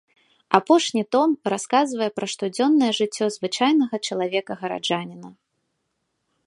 Апошні том расказвае пра штодзённае жыццё звычайнага чалавека-гараджаніна.